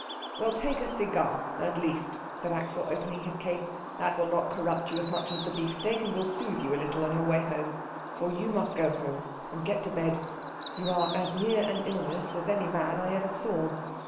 "Well, take a cigar at least," said Axel, opening his case. "That will not corrupt you as much as the beefsteak, and will soothe you a little on your way home. For you must go home and get to bed. You are as near an illness as any man I ever saw."